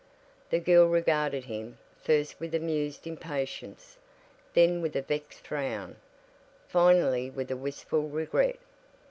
The girl regarded him, first with amused impatience, then with a vexed frown, finally with a wistful regret.